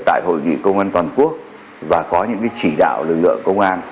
tại hội nghị công an toàn quốc và có những chỉ đạo lực lượng công an